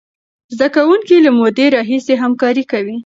زده کوونکي له مودې راهیسې همکاري کوي.